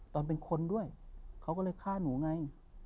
ตอนเป็นคนด้วยเขาก็เลยฆ่าหนูไง